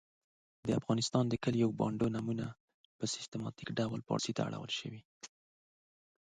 د افغانستان د کلو او بانډو نومونه په سیستماتیک ډول پاړسي ته اړول سوي .